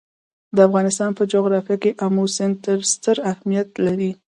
د افغانستان په جغرافیه کې آمو سیند ستر اهمیت لري.